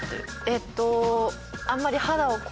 えーっと。